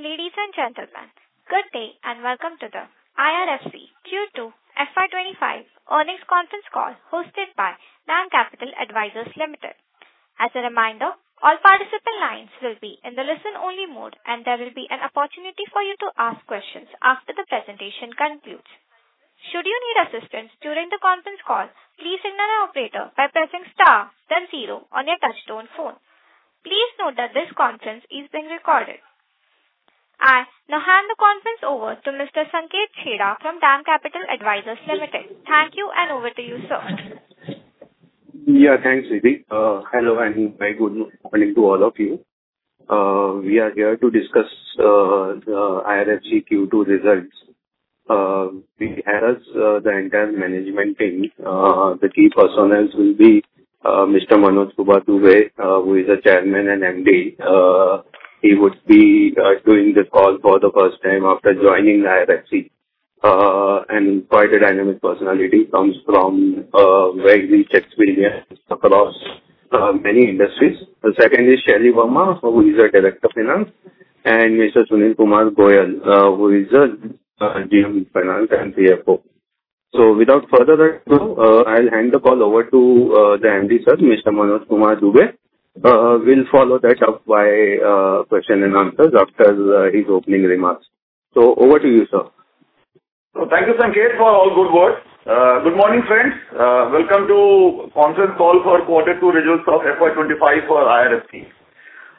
Ladies and gentlemen, good day and welcome to the IRFC Q2 FY25 earnings conference call hosted by DAM Capital Advisors Limited. As a reminder, all participant lines will be in the listen-only mode, and there will be an opportunity for you to ask questions after the presentation concludes. Should you need assistance during the conference call, please contact our operator by pressing star, then zero on your touch-tone phone. Please note that this conference is being recorded. I now hand the conference over to Mr. Sanket Chheda from DAM Capital Advisors Limited. Thank you, and over to you, sir. Yeah, thanks, Sruthi. Hello, and very good morning to all of you. We are here to discuss the IRFC Q2 results. As the entire management team, the key personnel will be Mr. Manoj Kumar Dubey, who is a Chairman and MD. He would be doing this call for the first time after joining IRFC, and quite a dynamic personality. He comes from a very rich experience across many industries. The second is Shelly Verma, who is a Director of Finance, and Mr. Sunil Kumar Goel, who is a GM Finance and CFO. So without further ado, I'll hand the call over to the MD, sir, Mr. Manoj Kumar Dubey. We'll follow that up by questions and answers after his opening remarks. So over to you, sir. So thank you, Sanket, for all good words. Good morning, friends. Welcome to the conference call for Q2 results of FY25 for IRFC.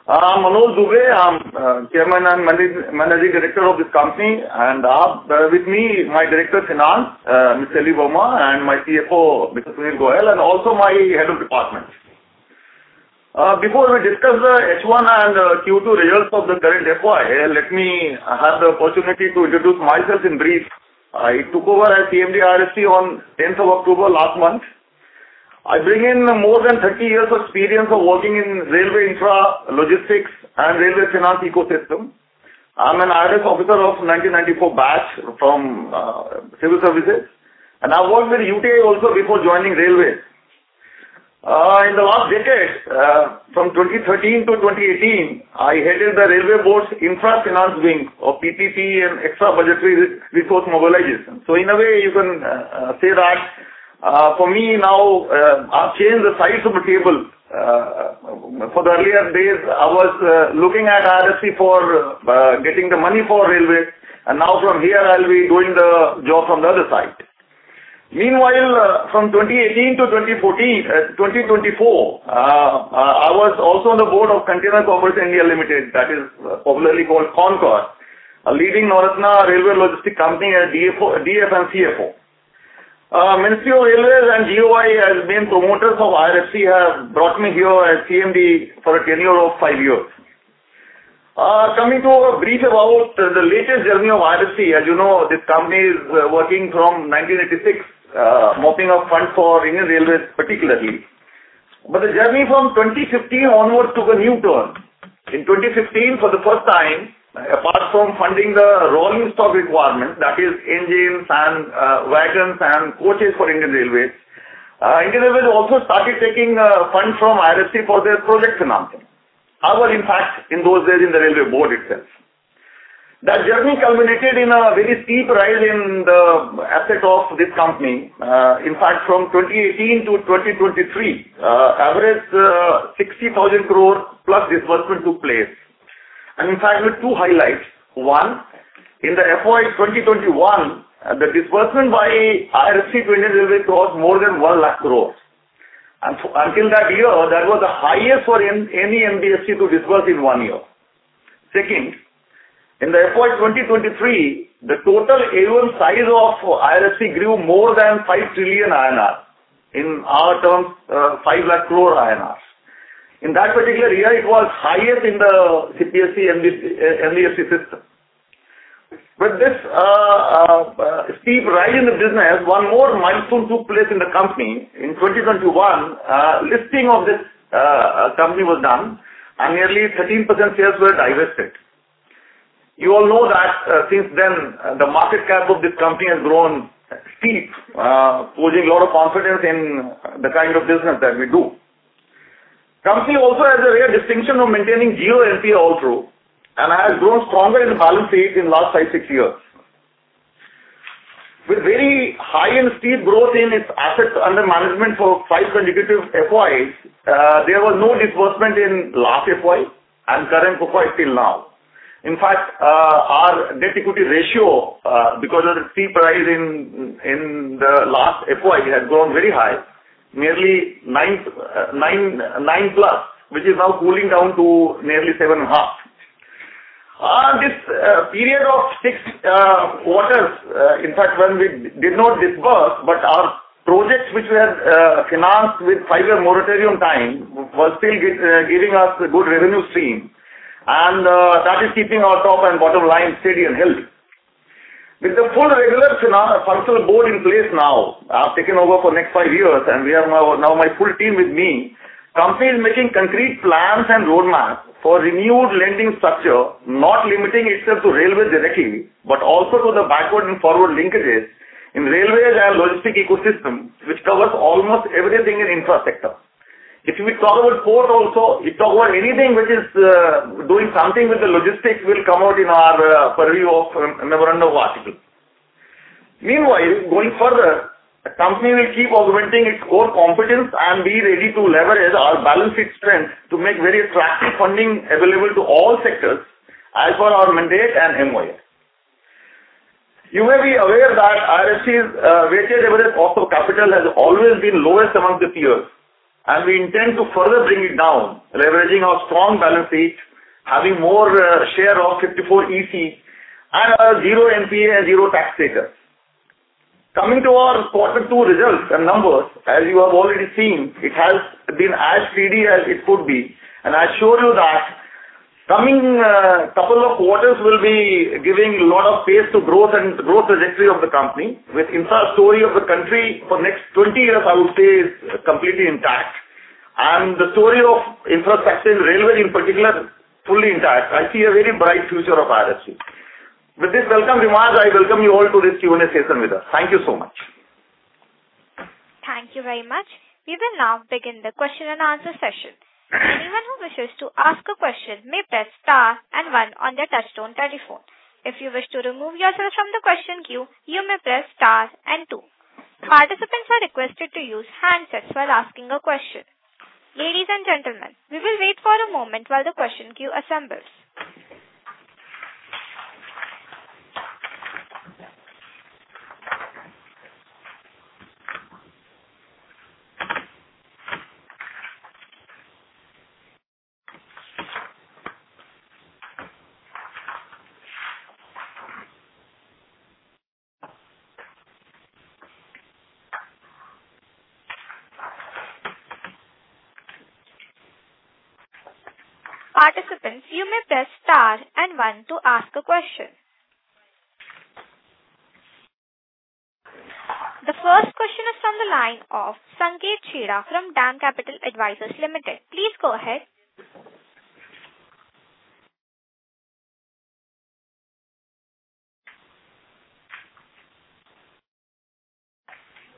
I'm Manoj Kumar Dubey. I'm Chairman and Managing Director of this company. And with me, my Director of Finance, Ms. Shelly Verma, and my CFO, Mr. Sunil Goyal, and also my head of department. Before we discuss the H1 and Q2 results of the current FY, let me have the opportunity to introduce myself in brief. I took over as CMD IRFC on the 10th of October last month. I bring in more than 30 years of experience of working in railway infra, logistics, and railway finance ecosystem. I'm an IRAS officer of the 1994 batch from civil services, and I worked with UTI also before joining railway. In the last decade, from 2013 to 2018, I headed the railway board's infra finance wing of PPP and extra budgetary resource mobilization. So in a way, you can say that for me, now I've changed the sides of the table. For the earlier days, I was looking at IRFC for getting the money for railway, and now from here, I'll be doing the job from the other side. Meanwhile, from 2018 to 2024, I was also on the board of Container Corporation of India Limited, that is popularly called Concor, a leading Northern Railway logistics company as DF and CFO. Ministry of Railways and GOI, as being promoters of IRFC, have brought me here as CMD for a tenure of five years. Coming to a brief about the latest journey of IRFC, as you know, this company is working from 1986, mopping up funds for Indian Railways particularly. But the journey from 2015 onwards took a new turn. In 2015, for the first time, apart from funding the rolling stock requirement, that is engines, wagons, and coaches for Indian Railways, Indian Railways also started taking funds from IRFC for their project financing. I was, in fact, in those days in the railway board itself. That journey culminated in a very steep rise in the assets of this company. In fact, from 2018 to 2023, an average of 60,000 crore plus disbursement took place. And in fact, there are two highlights. One, in the FY 2021, the disbursement by IRFC to Indian Railways was more than 1 lakh crore. And until that year, that was the highest for any NBFC to disburse in one year. Second, in the FY 2023, the total AUM size of IRFC grew more than 5 trillion INR, in our terms, 5 lakh crore INR. In that particular year, it was highest in the IRFC PFC system. With this steep rise in the business, one more milestone took place in the company. In 2021, listing of this company was done, and nearly 13% shares were divested. You all know that since then, the market cap of this company has grown steep, posing a lot of confidence in the kind of business that we do. The company also has a rare distinction of maintaining GO and POL throughout, and has grown stronger in the balance sheet in the last five, six years. With very high and steep growth in its assets under management for five consecutive FYs, there was no disbursement in last FY and current FY till now. In fact, our debt-equity ratio, because of the steep rise in the last FY, has grown very high, nearly nine plus, which is now cooling down to nearly seven and a half. This period of six quarters, in fact, when we did not disburse, but our projects which were financed with five-year moratorium time were still giving us a good revenue stream, and that is keeping our top and bottom lines steady and healthy. With the full regular functional board in place now, I've taken over for the next five years, and we have now my full team with me, the company is making concrete plans and roadmaps for renewed lending structure, not limiting itself to railways directly, but also to the backward and forward linkages in railways and logistics ecosystem, which covers almost everything in infrastructure. If we talk about port also, if you talk about anything which is doing something with the logistics, we'll come out in our purview of a memorandum of articles. Meanwhile, going further, the company will keep augmenting its core competence and be ready to leverage our balance sheet strength to make very attractive funding available to all sectors as per our mandate and MOU. You may be aware that IRFC's weighted average cost of capital has always been lowest amongst the peers, and we intend to further bring it down, leveraging our strong balance sheet, having more share of 54EC, and our zero NPA and zero tax status. Coming to our Q2 results and numbers, as you have already seen, it has been as steady as it could be, and I assure you that coming couple of quarters will be giving a lot of pace to growth and growth trajectory of the company. With infrastructure story of the country for the next 20 years, I would say, is completely intact, and the story of infrastructure in railways in particular is fully intact. I see a very bright future of IRFC. With this welcome remarks, I welcome you all to this Q&A session with us. Thank you so much. Thank you very much. We will now begin the question and answer session. Anyone who wishes to ask a question may press star and one on their touch-tone telephone. If you wish to remove yourself from the question queue, you may press star and two. Participants are requested to use handsets while asking a question. Ladies and gentlemen, we will wait for a moment while the question queue assembles. Participants, you may press star and one to ask a question. The first question is from the line of Sanket Cheda from DAM Capital Advisors Limited. Please go ahead.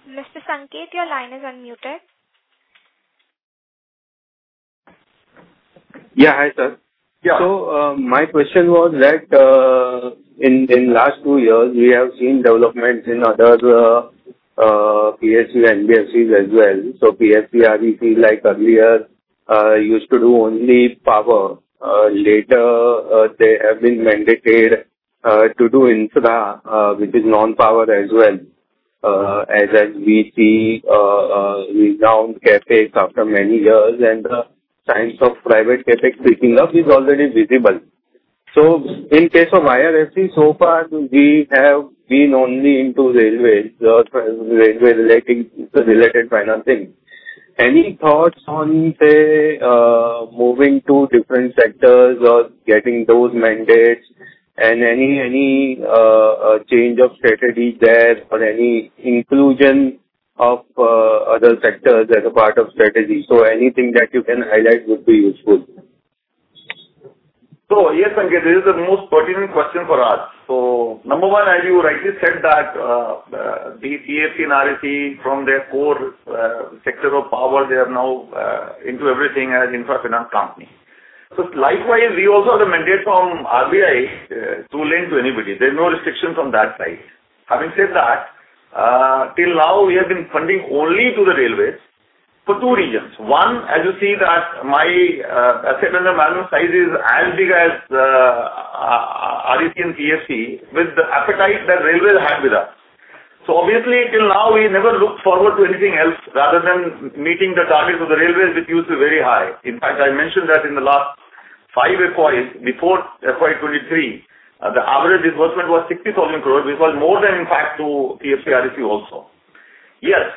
Mr. Sanket, your line is unmuted. Yeah, hi sir. So my question was that in the last two years, we have seen developments in other PFC and MDFCs as well. So PFC, as you see, like earlier, used to do only power. Later, they have been mandated to do infra, which is non-power as well, as we see renewed CapEx after many years, and the signs of private CapEx picking up is already visible. So in the case of IRFC, so far, we have been only into railways, railway-related financing. Any thoughts on, say, moving to different sectors or getting those mandates, and any change of strategy there or any inclusion of other sectors as a part of strategy? So anything that you can highlight would be useful. So yes, Sanket, this is the most pertinent question for us. So number one, as you rightly said, that the PFC and REC, from their core sector of power, they are now into everything as infra-finance companies. So likewise, we also have a mandate from RBI to lend to anybody. There's no restriction from that side. Having said that, till now, we have been funding only to the railways for two reasons. One, as you see, that our AUM and the mandate size is as big as RFC and PFC, with the appetite that railways have with us. So obviously, till now, we never looked forward to anything else rather than meeting the targets of the railways, which used to be very high. In fact, I mentioned that in the last five FYs, before FY 2023, the average disbursement was 60,000 crore, which was more than, in fact, to PFC and RFC also. Yes,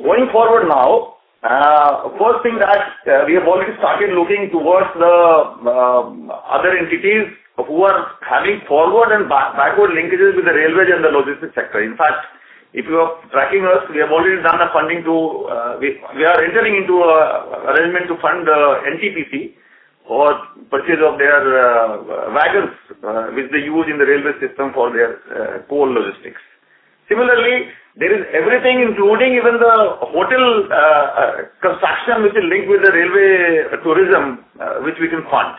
going forward now, first thing that we have already started looking towards the other entities who are having forward and backward linkages with the railways and the logistics sector. In fact, if you are tracking us, we are entering into an arrangement to fund the NTPC for purchase of their wagons, which they use in the railway system for their coal logistics. Similarly, there is everything, including even the hotel construction, which is linked with the railway tourism, which we can fund.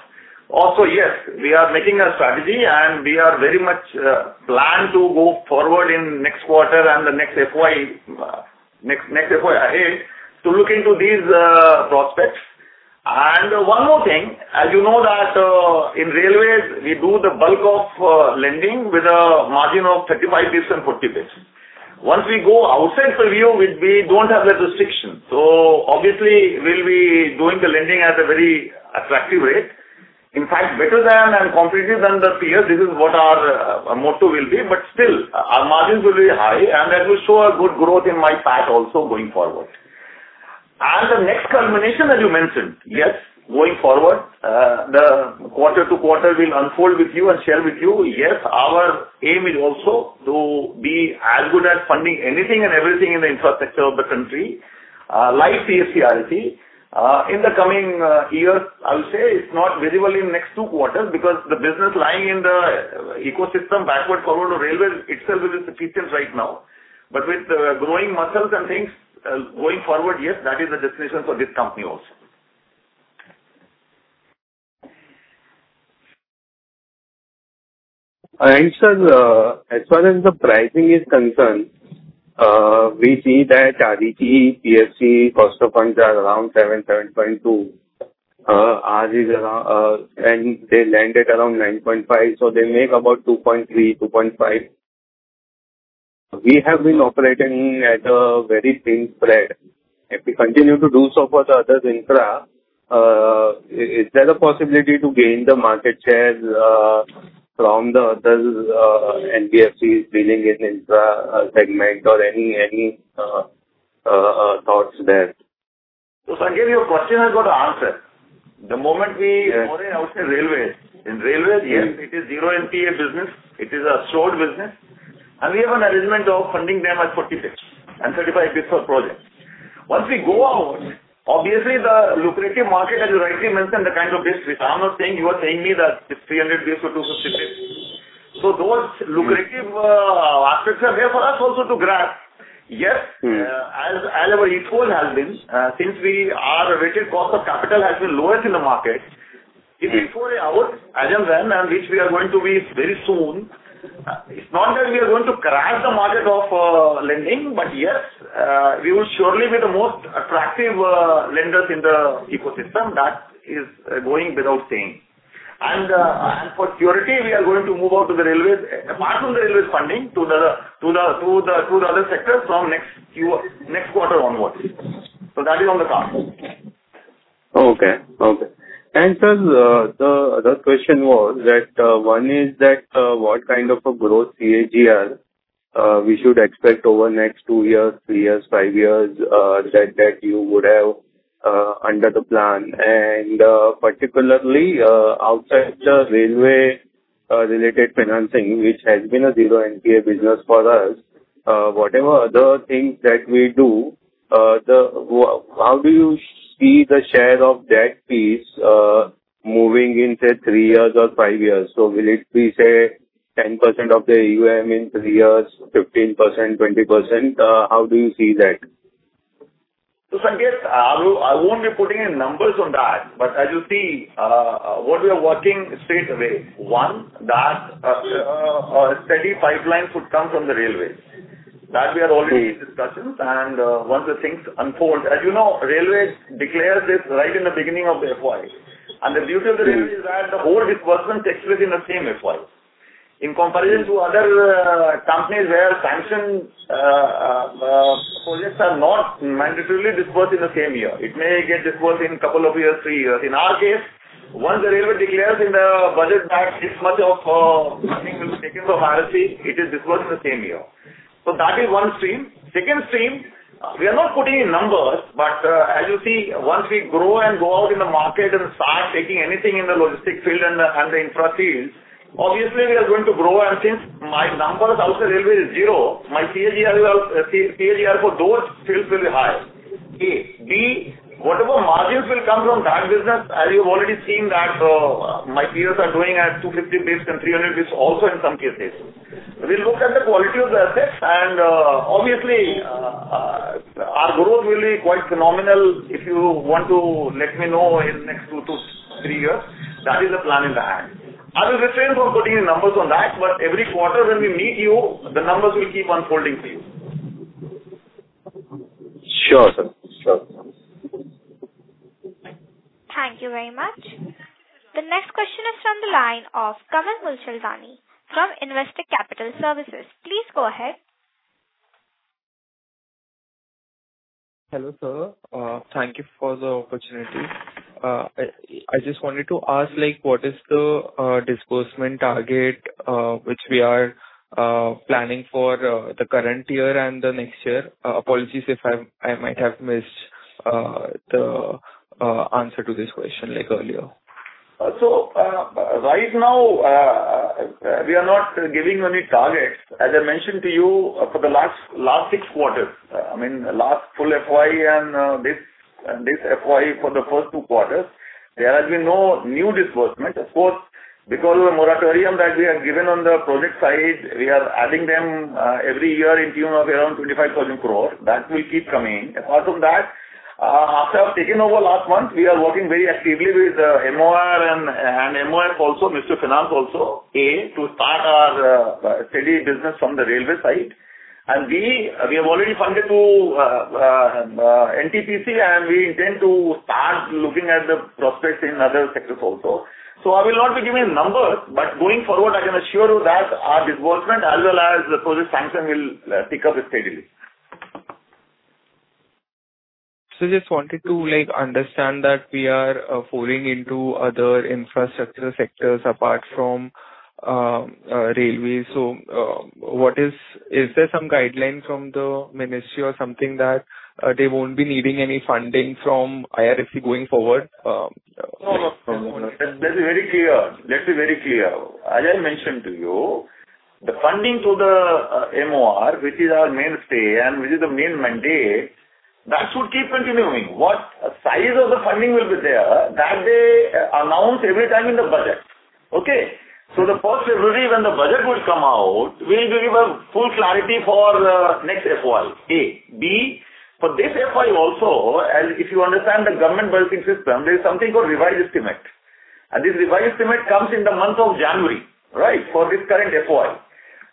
Also, yes, we are making a strategy, and we are very much planned to go forward in the next quarter and the next FY ahead to look into these prospects. And one more thing, as you know, that in railways, we do the bulk of lending with a margin of 35 basis points and 40 basis points. Once we go outside purview, we don't have that restriction. So obviously, we'll be doing the lending at a very attractive rate. In fact, better than and competitive than the peers. This is what our motto will be. But still, our margins will be high, and that will show a good growth in my path also going forward. And the next culmination, as you mentioned, yes, going forward, the quarter to quarter will unfold with you and share with you. Yes, our aim is also to be as good at funding anything and everything in the infrastructure of the country like PFC and REC. In the coming years, I would say it's not visible in the next two quarters because the business lying in the ecosystem backward, forward, or railways itself is sufficient right now. But with the growing muscles and things going forward, yes, that is the destination for this company also. I think, sir, as far as the pricing is concerned, we see that REC, PFC cost of funds are around 7, 7.2. And they landed around 9.5. So they make about 2.3, 2.5. We have been operating at a very thin spread. If we continue to do so for the others infra, is there a possibility to gain the market share from the others NBFCs dealing in infra segment or any thoughts there? So Sanket, your question has got an answer. The moment we go in, I would say railways. In railways, yes, it is zero NPA business. It is a sorted business. And we have an arrangement of funding them at 40 basis points and 35 basis points per project. Once we go out, obviously, the lucrative market, as you rightly mentioned, the kind of basis points which I'm not saying you are saying me that it's 300 basis points or 250 basis points. So those lucrative aspects are there for us also to grasp. Yes, as our WACC has been, since our rated cost of capital has been lowest in the market, if we go out as and when, which we are going to be very soon, it's not that we are going to crash the market of lending, but yes, we will surely be the most attractive lenders in the ecosystem. That is going without saying. And for security, we are going to move out to the railways, apart from the railways funding, to the other sectors from next quarter onwards. So that is on the cards. Sir, the other question was that one is that what kind of a growth CAGR we should expect over the next two years, three years, five years that you would have under the plan? And particularly outside the railway-related financing, which has been a zero NPA business for us, whatever other things that we do, how do you see the share of that piece moving in, say, three years or five years? So will it be, say, 10% of the AUM in three years, 15%, 20%? How do you see that? Sanket, I won't be putting any numbers on that. But as you see, what we are working straight away, one, that a steady pipeline should come from the railways. That we are already in discussions. And once the things unfold, as you know, railways declare this right in the beginning of the FY. And the beauty of the railway is that the whole disbursement takes place in the same FY. In comparison to other companies where sanctioned projects are not mandatorily disbursed in the same year, it may get disbursed in a couple of years, three years. In our case, once the railway declares in the budget that this much of funding will be taken from IRFC, it is disbursed in the same year. So that is one stream. Second stream, we are not putting any numbers, but as you see, once we grow and go out in the market and start taking anything in the logistics field and the infra field, obviously, we are going to grow. And since my numbers outside railways is zero, my CAGR for those fields will be high. But whatever margins will come from that business, as you've already seen that my peers are doing at 250 basis points and 300 basis points also in some cases. We'll look at the quality of the assets, and obviously, our growth will be quite phenomenal if you want to let me know in the next two to three years. That is the plan in the hand. I will refrain from putting any numbers on that, but every quarter, when we meet you, the numbers will keep unfolding for you. Sure, sir. Sure. Thank you very much. The next question is from the line of Kamal Mulchandani from Investor Capital Services. Please go ahead. Hello sir. Thank you for the opportunity. I just wanted to ask, what is the disbursement target which we are planning for the current year and the next year? Apologies if I might have missed the answer to this question earlier. Right now, we are not giving any targets. As I mentioned to you, for the last six quarters, I mean, the last full FY and this FY for the first two quarters, there has been no new disbursement. Of course, because of the moratorium that we have given on the project side, we are adding them every year in tune of around 25,000 crore. That will keep coming. Apart from that, after taking over last month, we are working very actively with MOR and MOF also, Ministry of Finance also, A, to start our steady business from the railway side. And B, we have already funded to NTPC, and we intend to start looking at the prospects in other sectors also. I will not be giving numbers, but going forward, I can assure you that our disbursement as well as the project sanction will tick up steadily. So just wanted to understand that we are funding other infrastructure sectors apart from railways. So is there some guideline from the ministry or something that they won't be needing any funding from IRFC going forward? No, no. Let me be very clear. Let me be very clear. As I mentioned to you, the funding to the MOR, which is our mainstay and which is the main mandate, that should keep continuing. What size of the funding will be there, that they announce every time in the budget. Okay, so the 1st February, when the budget will come out, we'll give a full clarity for the next FY. For this FY also, as if you understand the government budgeting system, there is something called revised estimate, and this revised estimate comes in the month of January, right, for this current FY.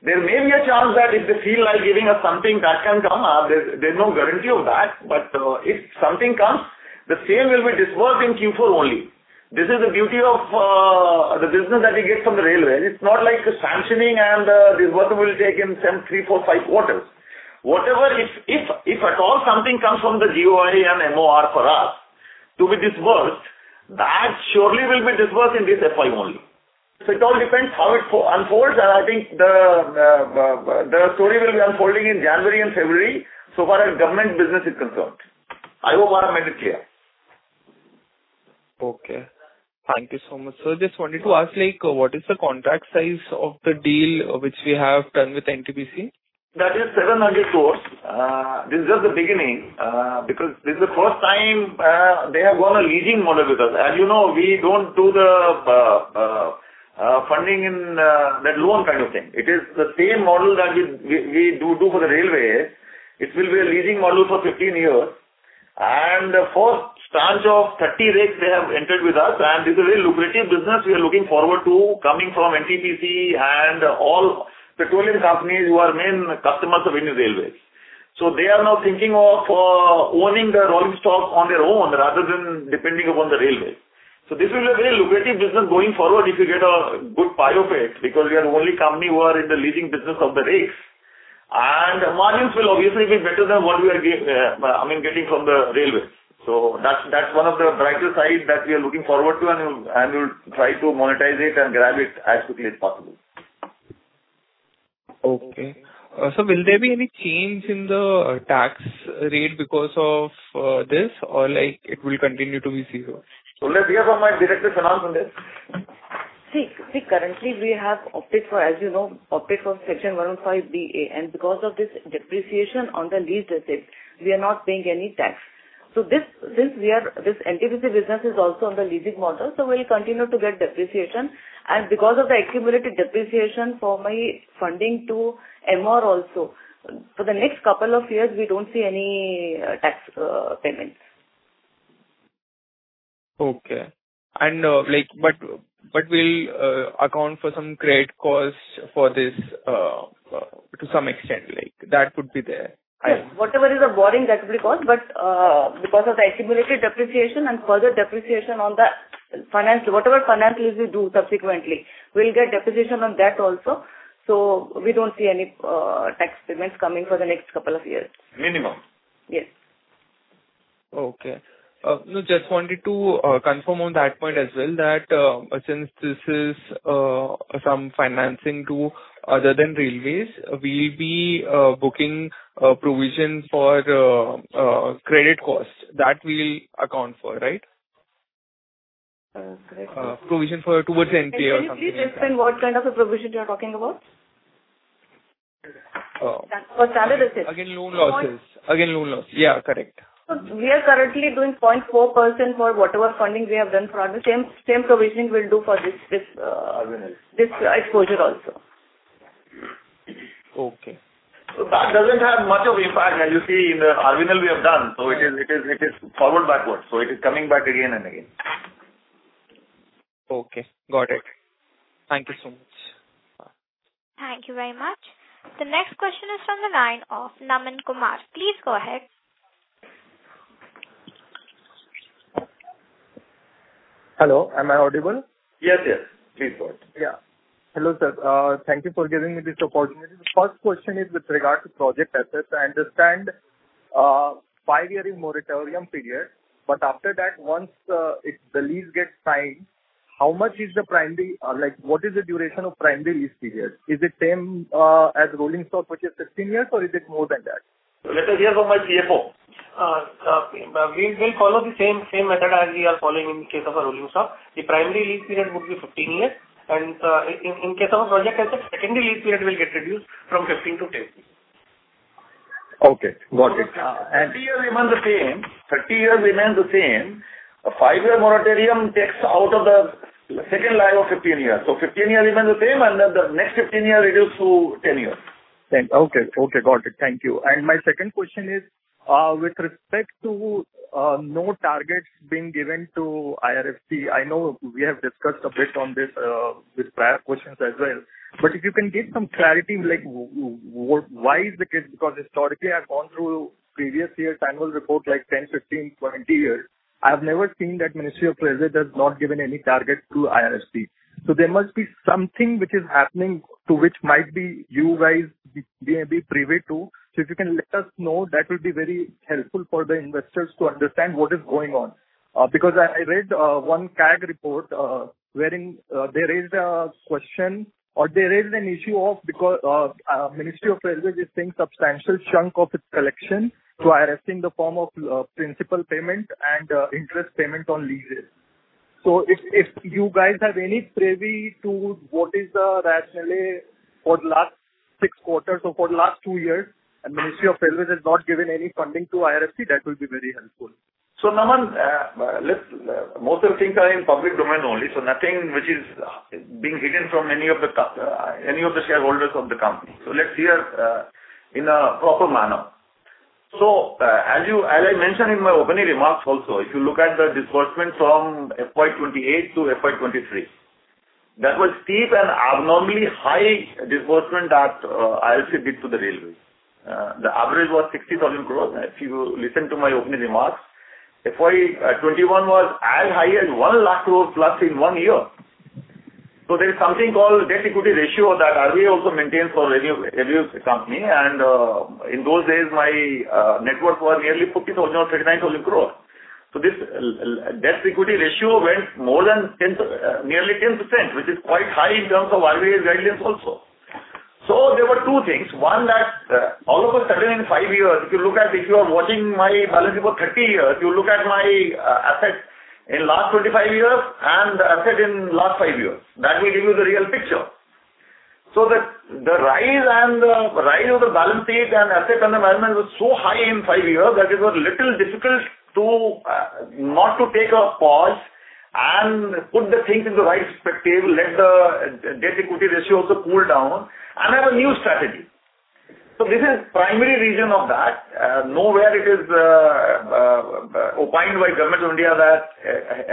There may be a chance that if they feel like giving us something, that can come up. There's no guarantee of that, but if something comes, the same will be disbursed in Q4 only. This is the beauty of the business that we get from the railways. It's not like sanctioning and the disbursement will take in three, four, five quarters. Whatever, if at all something comes from the GOI and MOR for us to be disbursed, that surely will be disbursed in this FY only. So it all depends how it unfolds. And I think the story will be unfolding in January and February so far as government business is concerned. I hope I have made it clear. Okay. Thank you so much. Sir, just wanted to ask, what is the contract size of the deal which we have done with NTPC? That is 700 crores. This is just the beginning because this is the first time they have gone a leasing model with us. As you know, we don't do the funding in that loan kind of thing. It is the same model that we do for the Railways. It will be a leasing model for 15 years. And the first tranche of 30 basis points they have entered with us. And this is a very lucrative business we are looking forward to coming from NTPC and all petroleum companies who are main customers of Indian Railways. So they are now thinking of owning the rolling stock on their own rather than depending upon the Railways. So this will be a very lucrative business going forward if you get a good pie of it because we are the only company who are in the leasing business of the rails. And the margins will obviously be better than what we are getting from the railways. So that's one of the brighter sides that we are looking forward to, and we'll try to monetize it and grab it as quickly as possible. Okay. So will there be any change in the tax rate because of this, or it will continue to be zero? So let me hear from my Director of Finance on this. See, currently, we have opted for, as you know, opted for Section 115BAA. Because of this depreciation on the leased assets, we are not paying any tax. Since this NTPC business is also on the leasing model, so we'll continue to get depreciation. Because of the accumulated depreciation for our funding to MOR also, for the next couple of years, we don't see any tax payments. Okay. But we'll account for some credit cost for this to some extent. That would be there. Yes. Whatever is the borrowing, that would be cost. But because of the accumulated depreciation and further depreciation on the finance, whatever finance lease we do subsequently, we'll get depreciation on that also. So we don't see any tax payments coming for the next couple of years. Minimum. Yes. Okay. No, just wanted to confirm on that point as well that since this is some financing to other than railways, we'll be booking provision for credit cost. That we'll account for, right? Correct. Provision towards NPA or something. Can you please explain what kind of a provision you're talking about? For standard assets. Again, loan losses. Again, loan loss. Yeah, correct. We are currently doing 0.4% for whatever funding we have done for RVNL. Same provision we'll do for this exposure also. Okay. So that doesn't have much of impact, as you see, in the RVNL we have done. So it is forward, backwards. So it is coming back again and again. Okay. Got it. Thank you so much. Thank you very much. The next question is from the line of Naman Kumar. Please go ahead. Hello. Am I audible? Yes, yes. Please go ahead. Yeah. Hello, sir. Thank you for giving me this opportunity. The first question is with regard to project assets. I understand five-year is moratorium period. But after that, once the lease gets signed, what is the duration of primary lease period? Is it same as rolling stock, which is 15 years, or is it more than that? Let me hear from my CFO. We'll follow the same method as we are following in case of a rolling stock. The primary lease period would be 15 years, and in case of a project asset, secondary lease period will get reduced from 15 to 10. Okay. Got it. And 30 years remain the same. A five-year moratorium takes out of the second line of 15 years. So 15 years remain the same, and then the next 15 years reduced to 10 years. Okay. Okay. Got it. Thank you. And my second question is with respect to no targets being given to IRFC. I know we have discussed a bit on this with prior questions as well. But if you can give some clarity, why is it? Because historically, I've gone through previous year's annual report, like 10, 15, 20 years. I have never seen that Ministry of Finance has not given any target to IRFC. So there must be something which is happening to which might be you guys may be privy to. So if you can let us know, that would be very helpful for the investors to understand what is going on. Because I read one CAG report wherein they raised a question or they raised an issue of Ministry of Railways is paying substantial chunk of its collection to IRFC in the form of principal payment and interest payment on leases. So if you guys have any privy to what is the rationale for the last six quarters or for the last two years and Ministry of Railways has not given any funding to IRFC, that would be very helpful. Naman, most of the things are in public domain only, so nothing which is being hidden from any of the shareholders of the company. Let's hear in a proper manner. As I mentioned in my opening remarks also, if you look at the disbursement from FY18 to FY23, that was steep and abnormally high disbursement that IRFC did to the railways. The average was 60,000 crore. If you listen to my opening remarks, FY21 was as high as 1 lakh crore plus in one year. There is something called debt-equity ratio that RBI also maintains for every company. In those days, my net worth was nearly 40,000 or 39,000 crore. This debt-equity ratio went more than nearly 10%, which is quite high in terms of RBI's guidelines also. There were two things. One that all of a sudden in five years, if you look at if you are watching my balance sheet for 30 years, you look at my assets in the last 25 years and the asset in the last five years. That will give you the real picture. So the rise of the balance sheet and asset under management was so high in five years that it was a little difficult not to take a pause and put the things into the right perspective, let the debt-to-equity ratio also cool down, and have a new strategy. So this is the primary reason of that. Nowhere it is opined by Government of India that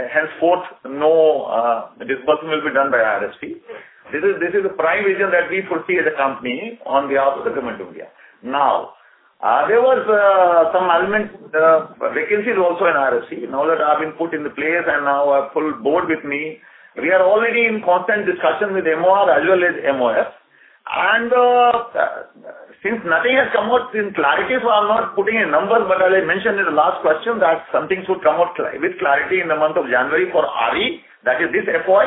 henceforth no disbursement will be done by IRFC. This is the prime reason that we foresee as a company on behalf of the Government of India. Now, there were some vacancies also in IRFC. Now that I've been put in the place and now I've pulled board with me, we are already in constant discussion with MOR as well as MOF, and since nothing has come out in clarity, so I'm not putting in numbers, but as I mentioned in the last question, that some things would come out with clarity in the month of January for RE, that is this FY,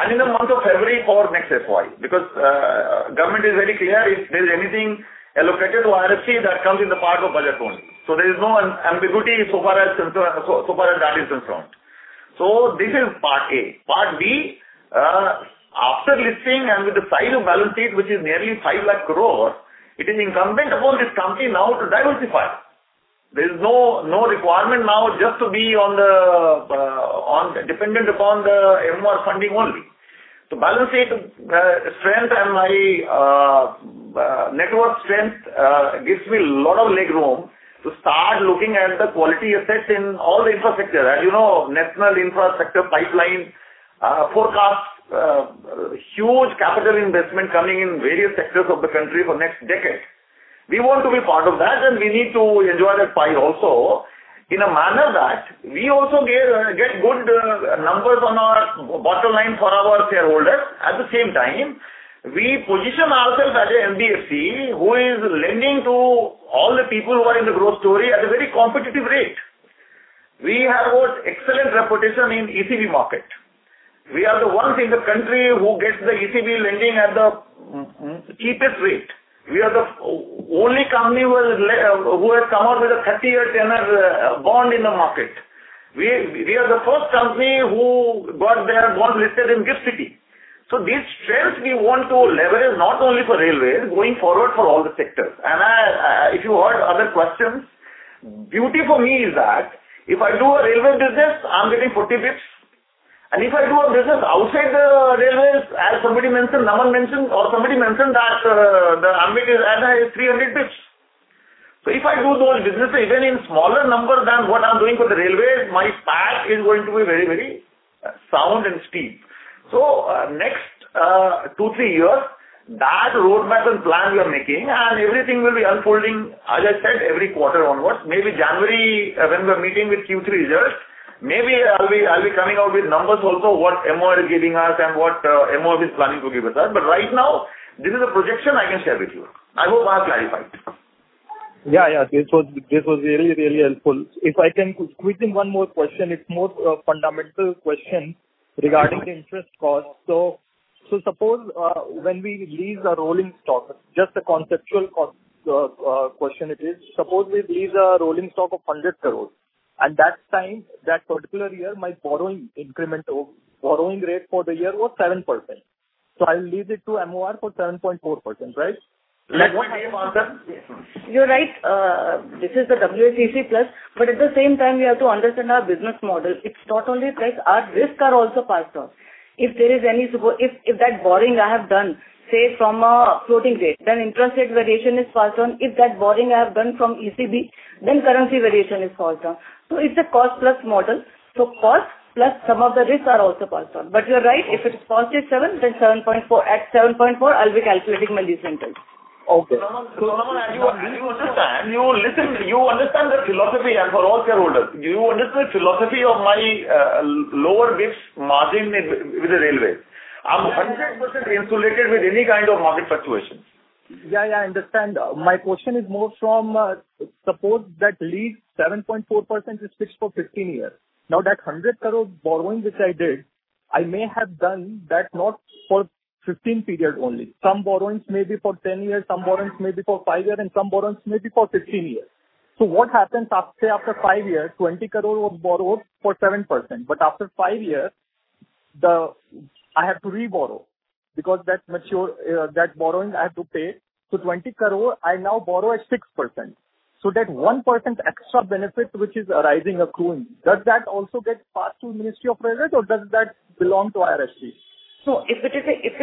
and in the month of February for next FY. Because government is very clear if there is anything allocated to IRFC that comes in the part of budget only. So there is no ambiguity so far as that is concerned. So this is part A. Part B, after listing and with the size of balance sheet, which is nearly 5 lakh crores, it is incumbent upon this company now to diversify. There is no requirement now just to be dependent upon the MOR funding only. So balance sheet strength and my net worth strength gives me a lot of legroom to start looking at the quality assets in all the infrastructure. As you know, national infrastructure pipeline forecasts huge capital investment coming in various sectors of the country for the next decade. We want to be part of that, and we need to enjoy that pie also in a manner that we also get good numbers on our bottom line for our shareholders. At the same time, we position ourselves as an NBFC who is lending to all the people who are in the growth story at a very competitive rate. We have an excellent reputation in ECB market. We are the ones in the country who get the ECB lending at the cheapest rate. We are the only company who has come out with a 30-year tenor bond in the market. We are the first company who got their bond listed in GIFT City. So this strength we want to leverage not only for railways going forward for all the sectors. And if you heard other questions, beauty for me is that if I do a railway business, I'm getting 40 basis points. And if I do a business outside the railways, as somebody mentioned, Naman mentioned, or somebody mentioned that the ambit is at 300 basis points. So if I do those businesses, even in smaller numbers than what I'm doing for the railways, my path is going to be very, very sound and steep. So next two, three years, that roadmap and plan we are making, and everything will be unfolding, as I said, every quarter onwards. Maybe January when we are meeting with Q3 results, maybe I'll be coming out with numbers also what MOR is giving us and what MOR is planning to give us. But right now, this is the projection I can share with you. I hope I have clarified. Yeah, yeah. This was really, really helpful. If I can quickly one more question, it's more fundamental question regarding the interest cost. So suppose when we lease a rolling stock, just a conceptual question it is, suppose we lease a rolling stock of 100 crore, and that time, that particular year, my borrowing increment or borrowing rate for the year was 7%. So I'll lease it to MOR for 7.4%, right? You're right. This is the WACC plus. But at the same time, we have to understand our business model. It's not only risk; our risk are also part of it. If there is any support, if that borrowing I have done, say, from a floating rate, then interest rate variation is part of it. If that borrowing I have done from ECB, then currency variation is part of it. So it's a cost-plus model. So cost plus some of the risks are also part of it. But you're right. If it's cost is 7, then 7.4. At 7.4, I'll be calculating my lease interest. Okay, so Naman, as you understand, you understand the philosophy and for all shareholders. You understood the philosophy of my lower basis points margin with the railways. I'm 100% insulated with any kind of market fluctuation. Yeah, yeah. I understand. My question is more from the standpoint that the lease 7.4% is fixed for 15 years. Now, that 100 crore borrowing which I did, I may have done that not for 15 period only. Some borrowings may be for 10 years, some borrowings may be for 5 years, and some borrowings may be for 15 years. So what happens after 5 years? 20 crore was borrowed for 7%. But after 5 years, I have to reborrow because that borrowing I have to pay. So 20 crore, I now borrow at 6%. So that 1% extra benefit which is arising, accruing, does that also get passed to Ministry of Finance, or does that belong to IRFC? So if it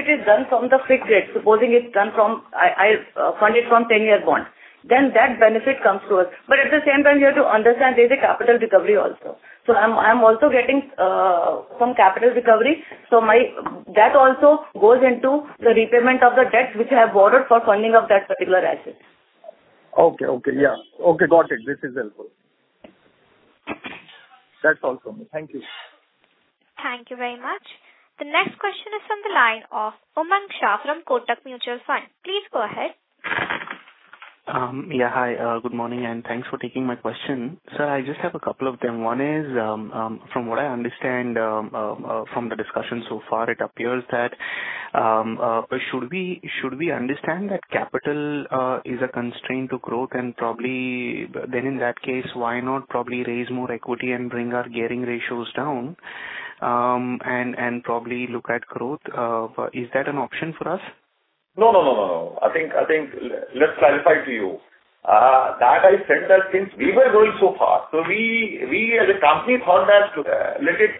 is done from the fixed rate, supposing it's done, if I fund it from 10-year bond, then that benefit comes to us. But at the same time, you have to understand there is a capital recovery also. So I'm also getting some capital recovery. So that also goes into the repayment of the debts which I have borrowed for funding of that particular asset. Okay, okay. Yeah. Okay. Got it. This is helpful. That's all from me. Thank you. Thank you very much. The next question is from the line of Umang Shah from Kotak Mutual Fund. Please go ahead. Yeah, hi. Good morning, and thanks for taking my question. Sir, I just have a couple of them. One is, from what I understand from the discussion so far, it appears that should we understand that capital is a constraint to growth, and probably then in that case, why not probably raise more equity and bring our gearing ratios down and probably look at growth? Is that an option for us? No, no, no, no, no. I think let's clarify to you that I said that since we were going so far, so we as a company thought that let it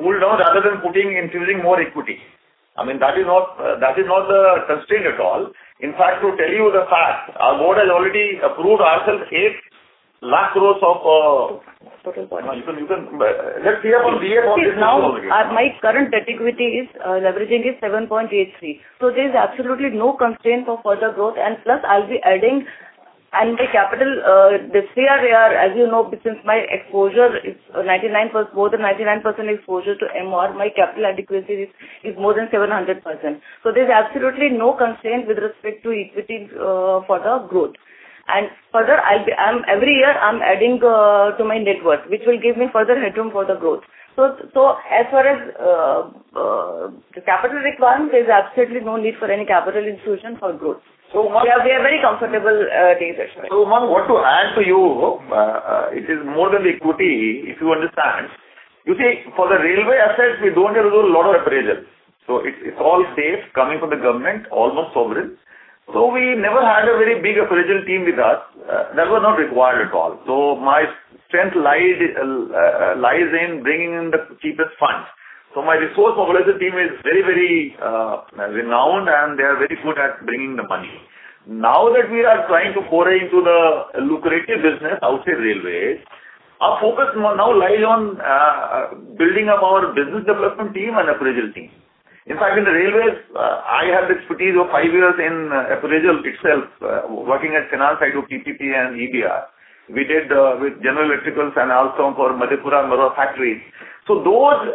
cool down rather than infusing more equity. I mean, that is not the constraint at all. In fact, to tell you the fact, our board has already approved ourselves 8 lakh crores of. Total borrowing. Let's hear from DF on this one again. Now, my current debt-equity leveraging is 7.83, so there is absolutely no constraint of further growth, and plus, I'll be adding, and the capital this year, as you know, since my exposure is more than 99% exposure to MOR, my capital adequacy is more than 700%, so there is absolutely no constraint with respect to equity for the growth, and further, every year, I'm adding to my net worth, which will give me further headroom for the growth, so as far as the capital requirement, there is absolutely no need for any capital infusion for growth. We are very comfortable with this, actually. Naman, what to add to you, it is more than the equity, if you understand. You see, for the railway assets, we don't have to do a lot of appraisal. So it's all safe coming from the government, almost sovereign. So we never had a very big appraisal team with us. That was not required at all. So my strength lies in bringing in the cheapest funds. So my resource operation team is very, very renowned, and they are very good at bringing the money. Now that we are trying to pour into the lucrative business outside railways, our focus now lies on building up our business development team and appraisal team. In fact, in the railways, I had the expertise of five years in appraisal itself, working on the client side of PPP and EBR. We did with General Electric and also for Madhepura and Marhowra factories. So those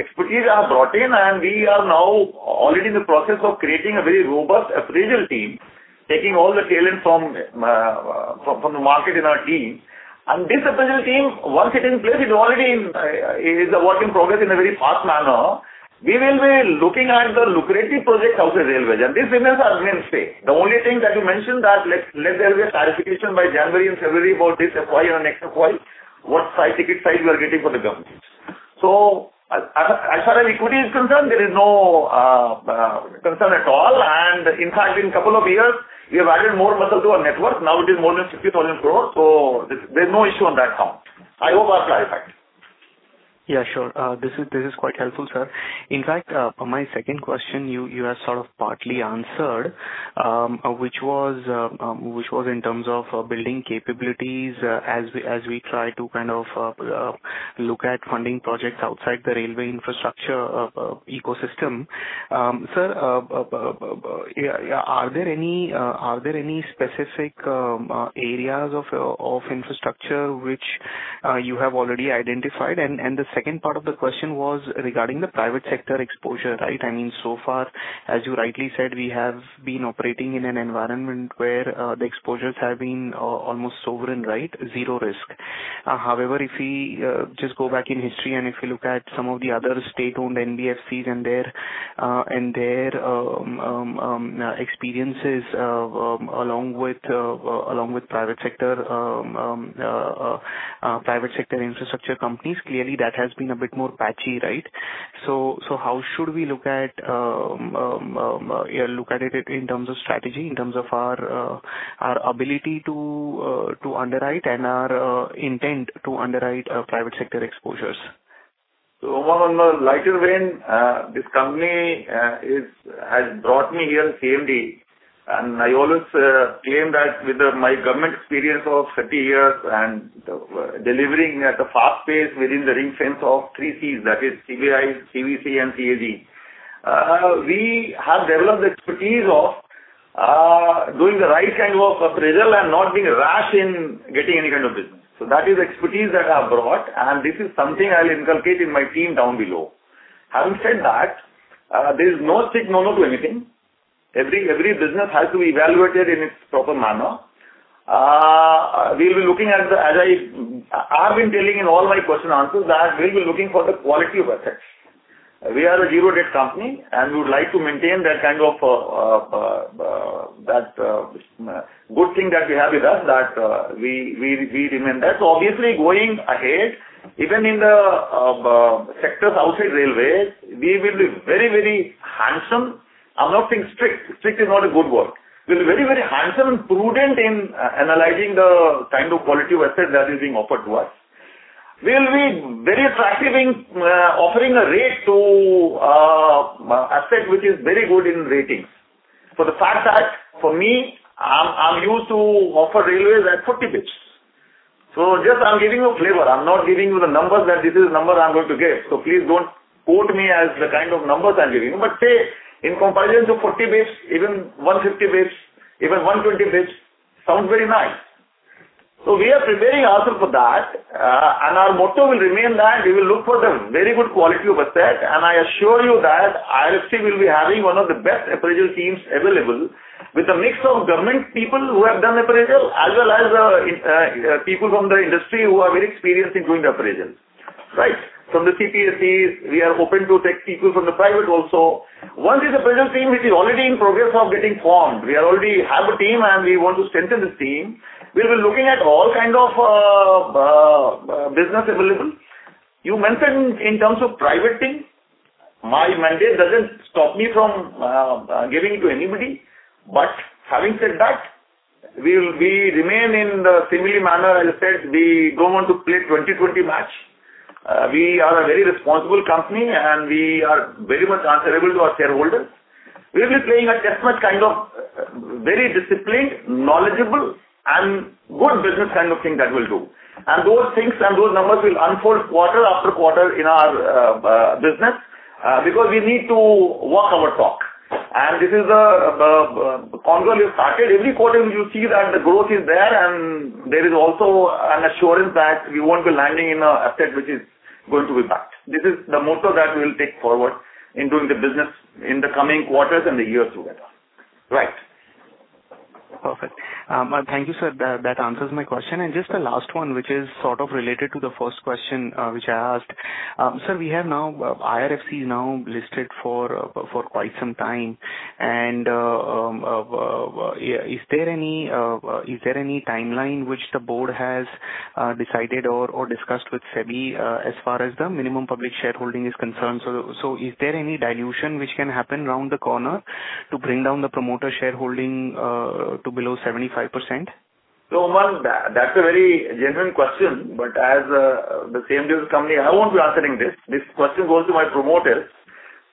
expertise are brought in, and we are now already in the process of creating a very robust appraisal team, taking all the talent from the market in our team. And this appraisal team, once it is in place, it is already a work in progress in a very fast manner. We will be looking at the lucrative project outside railways. And this remains Adam's sake. The only thing that you mentioned that let there be a clarification by January and February about this FY and next FY, what size ticket size we are getting for the government. So as far as equity is concerned, there is no concern at all. And in fact, in a couple of years, we have added more muscle to our net worth. Now it is more than 50,000 crores. So there is no issue on that count. I hope I have clarified. Yeah, sure. This is quite helpful, sir. In fact, my second question you have sort of partly answered, which was in terms of building capabilities as we try to kind of look at funding projects outside the railway infrastructure ecosystem. Sir, are there any specific areas of infrastructure which you have already identified? And the second part of the question was regarding the private sector exposure, right? I mean, so far, as you rightly said, we have been operating in an environment where the exposures have been almost sovereign, right? Zero risk. However, if we just go back in history and if we look at some of the other state-owned MDFCs and their experiences along with private sector infrastructure companies, clearly that has been a bit more patchy, right? How should we look at it in terms of strategy, in terms of our ability to underwrite and our intent to underwrite private sector exposures? Umang, on a lighter vein, this company has brought me here at CMD, and I always claim that with my government experience of 30 years and delivering at a fast pace within the ring fence of three Cs, that is CBI, CVC, and CAG, we have developed the expertise of doing the right kind of appraisal and not being rash in getting any kind of business. So that is the expertise that I have brought, and this is something I'll inculcate in my team down below. Having said that, there is no strict no-no to anything. Every business has to be evaluated in its proper manner. We will be looking at the, as I have been telling in all my question answers, that we will be looking for the quality of assets. We are a zero NPA company, and we would like to maintain that kind of good thing that we have with us that we remain there. So obviously, going ahead, even in the sectors outside railways, we will be very, very handsome. I'm not saying strict. Strict is not a good word. We'll be very, very handsome and prudent in analyzing the kind of quality of asset that is being offered to us. We'll be very attractive in offering a rate to asset which is very good in ratings. For the fact that for me, I'm used to offer railways at 40 basis points. So just I'm giving you a flavor. I'm not giving you the numbers that this is the number I'm going to give. So please don't quote me as the kind of numbers I'm giving you. But say, in comparison to 40 basis points, even 150 basis points, even 120 basis points, sounds very nice. So we are preparing ourselves for that, and our motto will remain that we will look for the very good quality of asset. And I assure you that IRFC will be having one of the best appraisal teams available with a mix of government people who have done appraisal as well as people from the industry who are very experienced in doing the appraisals. Right? From the CPSE, we are open to take people from the private also. Once this appraisal team which is already in progress of getting formed, we already have a team, and we want to strengthen this team. We'll be looking at all kinds of business available. You mentioned in terms of private thing, my mandate doesn't stop me from giving to anybody. but having said that, we remain in the similar manner as I said, we don't want to play 20-20 match. We are a very responsible company, and we are very much answerable to our shareholders. We'll be playing a test match kind of very disciplined, knowledgeable, and good business kind of thing that we'll do. And those things and those numbers will unfold quarter after quarter in our business because we need to walk our talk. And this is the convolute started. Every quarter, you see that the growth is there, and there is also an assurance that we won't be landing in an asset which is going to be bad. This is the motto that we'll take forward in doing the business in the coming quarters and the years to come. Right. Perfect. Thank you, sir. That answers my question. And just the last one, which is sort of related to the first question which I asked. Sir, we have now IRFC now listed for quite some time. And is there any timeline which the board has decided or discussed with SEBI as far as the minimum public shareholding is concerned? So is there any dilution which can happen around the corner to bring down the promoter shareholding to below 75%? Umang, that's a very genuine question. But as the same deal company, I won't be answering this. This question goes to my promoters.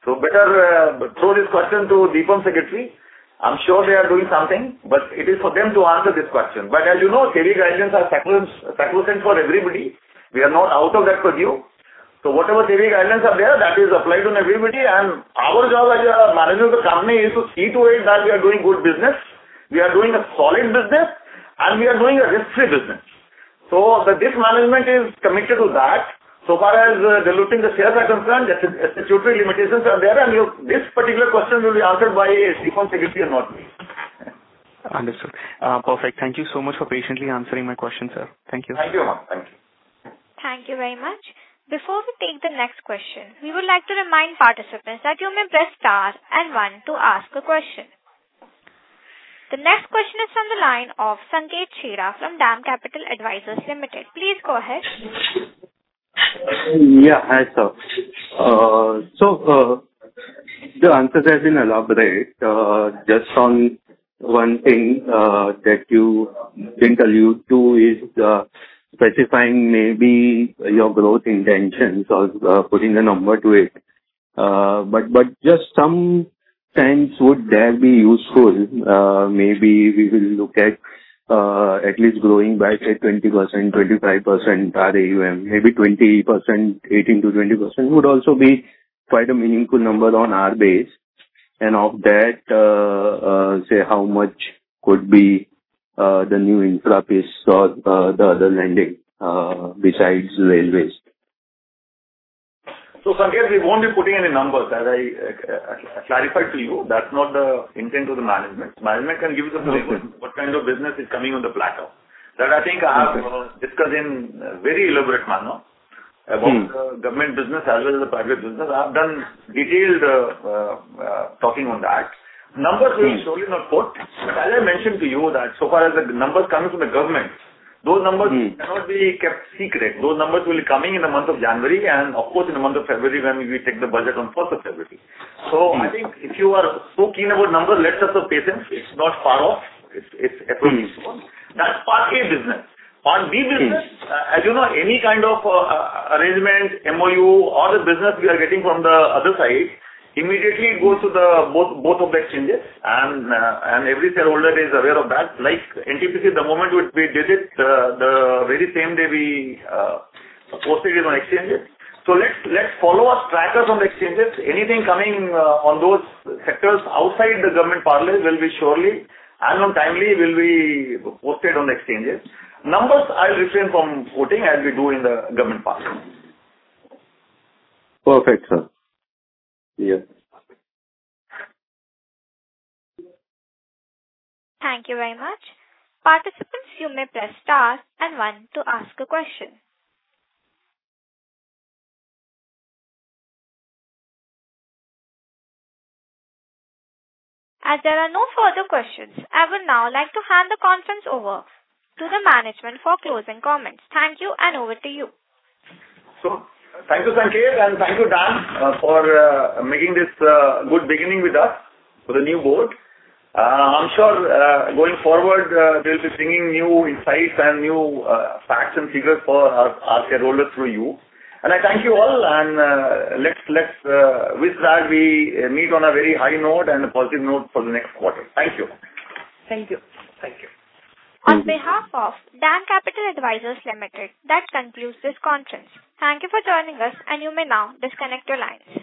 So better throw this question to DIPAM Secretary. I'm sure they are doing something, but it is for them to answer this question. But as you know, SEBI guidelines are sacrosanct for everybody. We are not out of that purview. So whatever SEBI guidelines are there, that is applied on everybody. And our job as a manager of the company is to see to it that we are doing good business. We are doing a solid business, and we are doing a risk-free business. So this management is committed to that. So far as diluting the shares are concerned, the statutory limitations are there. And this particular question will be answered by DIPAM Secretary and not me. Understood. Perfect. Thank you so much for patiently answering my question, sir. Thank you. Thank you, Umang. Thank you. Thank you very much. Before we take the next question, we would like to remind participants that you may press star and one to ask a question. The next question is from the line of Sanket Cheda from DAM Capital Advisors Limited. Please go ahead. Yeah, hi sir. So the answers have been elaborate. Just on one thing that you didn't allude to is specifying maybe your growth intentions or putting a number to it. But just sometimes, would that be useful? Maybe we will look at least growing by, say, 20%-25% AUM. Maybe 20%, 18%-20% would also be quite a meaningful number on our base, and of that, say how much could be the new infra piece or the other lending besides railways? So, Sanket, we won't be putting any numbers. As I clarified to you, that's not the intent of the management. Management can give you the numbers and what kind of business is coming on the platform. That, I think, I have discussed in a very elaborate manner about the government business as well as the private business. I have done detailed talking on that. Numbers will be slowly not put. But as I mentioned to you that so far as the numbers coming from the government, those numbers cannot be kept secret. Those numbers will be coming in the month of January and, of course, in the month of February when we take the budget on 4th of February. So I think if you are so keen about numbers, let's have some patience. It's not far off. It's approachable. That's part A business. Part B business, as you know, any kind of arrangement, MOU, all the business we are getting from the other side, immediately goes to both of the exchanges. And every shareholder is aware of that. Like NTPC, the moment we did it, the very same day we posted it on exchanges. So let's follow our trackers on the exchanges. Anything coming on those sectors outside the government parlance will be surely and on timely will be posted on the exchanges. Numbers I'll refrain from quoting as we do in the government parlance. Perfect, sir. Yes. Thank you very much. Participants, you may press star and one to ask a question. As there are no further questions, I would now like to hand the conference over to the management for closing comments. Thank you, and over to you. Thank you, Sanket, and thank you, Dan, for making this good beginning with us for the new board. I'm sure going forward, we'll be bringing new insights and new facts and figures for our shareholders through you. And I thank you all. And let's wish that we meet on a very high note and a positive note for the next quarter. Thank you. Thank you. Thank you. On behalf of DAM Capital Advisors Limited, that concludes this conference. Thank you for joining us, and you may now disconnect your lines.